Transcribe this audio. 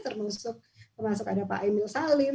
termasuk ada pak emil salim